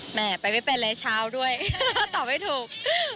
แหม่ไปไม่เป็นอะไรเช้าด้วยตอบไม่ถูก